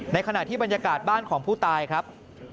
ขณะที่บรรยากาศบ้านของผู้ตายครับ